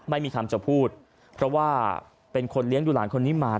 ไม่มีคำจะพูดเพราะว่าเป็นคนเลี้ยงดูหลานคนนี้มา